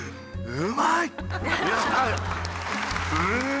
うまいッ！